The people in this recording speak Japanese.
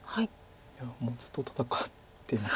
いやもうずっと戦ってます。